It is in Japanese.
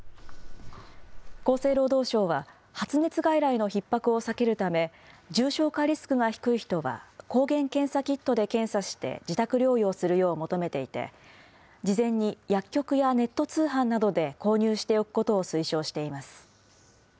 厚生労働省は発熱外来のひっ迫を避けるため、重症化リスクが低い人は抗原検査キットで検査して、自宅療養するよう求めていて、事前に薬局やネット通販などで購入しておくことを推奨しています。